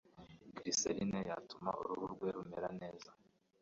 glycerine yatuma uruhu rwe rumera neza.